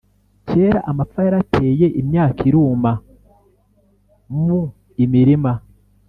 kera amapfa yarateye imyaka iruma muimirima